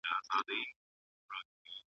چي تړلي مدرسې وي د پنجاب د واسکټونو .